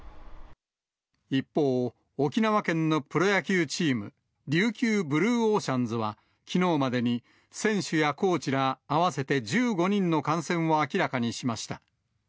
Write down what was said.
一方、沖縄県のプロ野球チーム、琉球ブルーオーシャンズは、きのうまでに、選手やコーチら合わせて１５人の感染を明らかにしました。